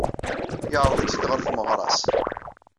Yeɛreḍ-itt-id ɣer tmeɣra-is.